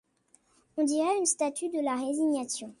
On dirait une statue de la résignation.